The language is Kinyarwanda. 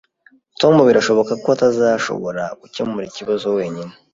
Tom birashoboka ko atazashobora gukemura ikibazo wenyine